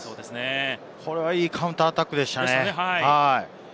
これは、いいカウンターアタックでしたね。